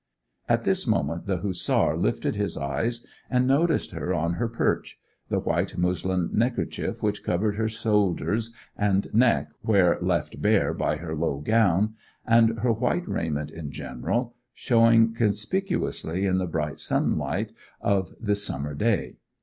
At this moment the Hussar lifted his eyes and noticed her on her perch, the white muslin neckerchief which covered her shoulders and neck where left bare by her low gown, and her white raiment in general, showing conspicuously in the bright sunlight of this summer day.